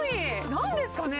何ですかね？